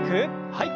はい。